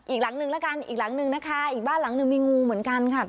อีกหลังนึงแล้วกันอีกหลังนึงนะคะอีกบ้านหลังหนึ่งมีงูเหมือนกันค่ะ